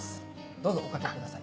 どうぞおかけください。